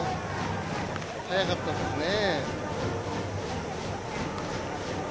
早かったですね。